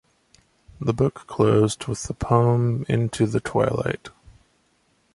The book closed with the poem "Into the Twilight".